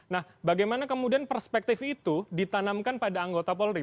nah bagaimana kemudian perspektif itu ditanamkan pada anggota polri